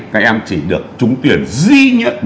các em chỉ được trúng tuyển duy nhất